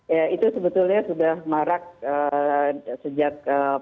ya itu sebetulnya sudah marak sejak